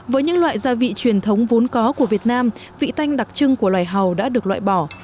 với những loại gia vị truyền thống vốn có của việt nam vị tanh đặc trưng của loài hầu đã được loại bỏ